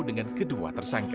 dengan kedua tersangka